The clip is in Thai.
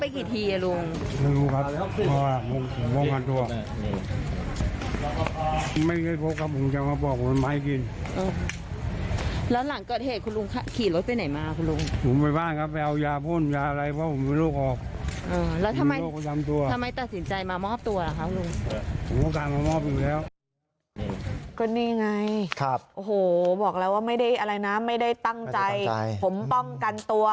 ก็นี่ไงโอ้โหบอกแล้วว่าไม่ได้อะไรนะไม่ได้ตั้งใจผมป้องกันตัว